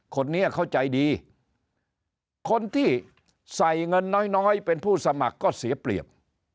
คนนี้เขาใจดีคนที่ใส่เงินน้อยน้อยเป็นผู้สมัครก็เสียเปรียบ